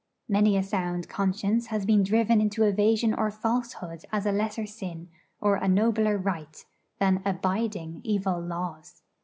Many a sound conscience has been driven into evasion or falsehood as a lesser sin, or a nobler right, than 'abiding' evil laws.